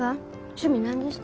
「趣味なんですか？」